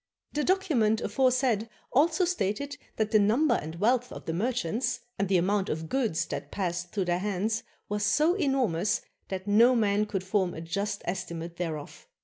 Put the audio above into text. The document aforesaid also stated that the number and wealth of the merchants, and the amount of goods that passed through their hands, was so enormous that no man could form a just estimate thereof.